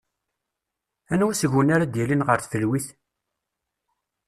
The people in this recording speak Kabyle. Anwa seg-wen ara d-yalin ɣer tfelwit?